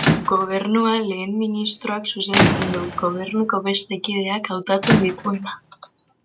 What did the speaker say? Gobernua lehen ministroak zuzentzen du, Gobernuko beste kideak hautatzen dituena.